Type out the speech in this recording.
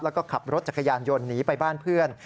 แล้วก็ขับรถจักรยานยนต์หนีไปบ้านเพื่อน